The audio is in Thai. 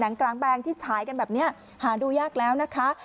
กลางแปลงที่ฉายกันแบบนี้หาดูยากแล้วนะคะ